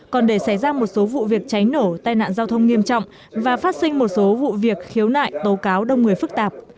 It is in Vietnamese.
còn để xảy ra một số vụ việc cháy nổ tai nạn giao thông nghiêm trọng và phát sinh một số vụ việc khiếu nại tố cáo đông người phức tạp